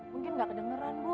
mungkin gak kedengeran bu